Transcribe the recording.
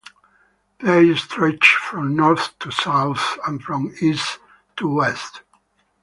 They stretch from north to south and from east to west.